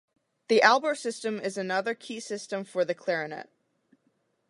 The Albert system is another key system for the clarinet.